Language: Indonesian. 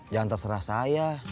jangan terserah saya